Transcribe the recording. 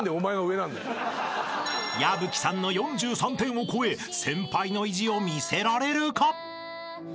［矢吹さんの４３点を超え先輩の意地を見せられるか？］